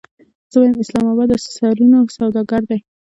زه وایم اسلام اباد د سرونو سوداګر دی.